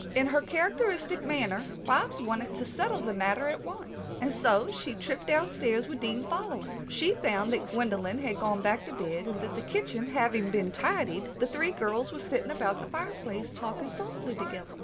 In her characteristic manner Bobs wanted to settle the matter at once, and so she tripped downstairs with Dean following. She found that Gwendolyn had gone back to bed and that the kitchen having been tidied, the three girls were sitting about the fireplace talking softly together.